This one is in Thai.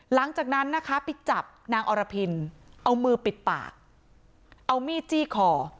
หลังจากนั้นนะคะไปจับนางอรพินเอามือปิดปากเอามีดจี้คอ